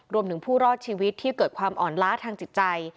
ผู้รอดชีวิตที่เกิดความอ่อนล้าทางจิตใจ